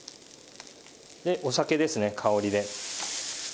でお酒ですね香りで。